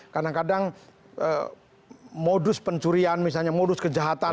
kadang kadang modus pencurian misalnya modus kejahatan